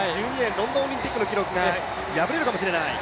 １分４０秒９１という、ロンドンオリンピックの記録が敗れるかもしれない。